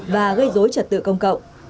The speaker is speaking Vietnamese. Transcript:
và gây dối trật tự công cộng